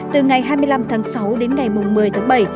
từ ngày hai mươi năm tháng sáu đến ngày một mươi tháng bảy